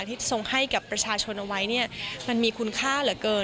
ที่ทรงให้กับประชาชนเอาไว้เนี่ยมันมีคุณค่าเหลือเกิน